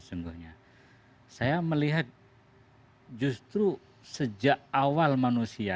saya melihat justru sejak awal manusia